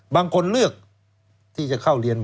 บางคนเลือกที่จะเข้าเรียน